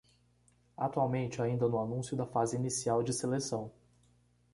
Atualmente ainda no anúncio da fase inicial de seleção